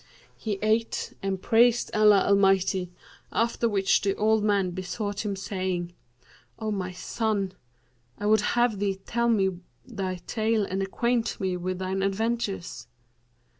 He ate and praised Allah Almighty; after which the old man besought him saying, 'O my son, I would have thee tell me thy tale and acquaint me with thine adventures.'